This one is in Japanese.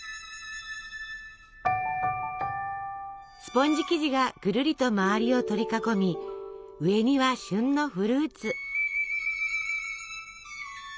スポンジ生地がぐるりと周りを取り囲み上には旬のフルーツ。